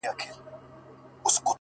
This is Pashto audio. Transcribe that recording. ژوند مي هيڅ نه دى ژوند څه كـړم ـ